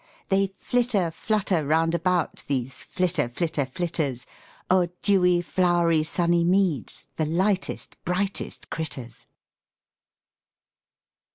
They flitter, flutter round about, These Flitter Flitter Flitters, O'er dewy flow'ry sunny meads, The lightest, brightest critters.